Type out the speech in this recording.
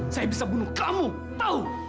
saya bisa bunuh kamu tahu